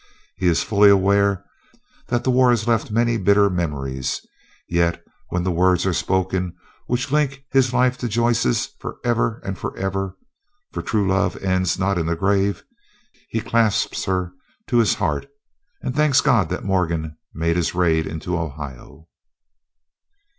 He is fully aware that the war has left many bitter memories; yet when the words are spoken which link his life to Joyce's forever and forever (for true love ends not in the grave), he clasps her to his heart, and thanks God that Morgan made his raid into Ohio.